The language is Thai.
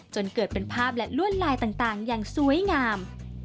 จนเกิดเป็นภาพและลวดลายต่างอย่างสวยงาม